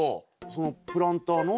そのプランターの？